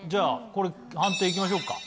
判定いきましょうか。